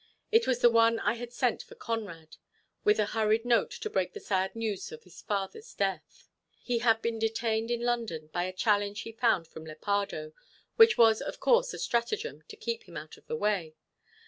It was the one I had sent for Conrad, with a hurried note to break the sad news of his father's death. He had been detained in London by a challenge he found from Lepardo; which was of course a stratagem to keep him out of the way.